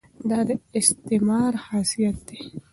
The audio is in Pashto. دا د استعمار خاصیت دی.